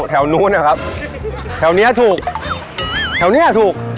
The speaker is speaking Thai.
แถวนู้นนะครับแถวนี้ถูกแถวเนี้ยถูก